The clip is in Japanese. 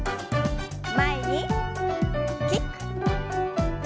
前にキック。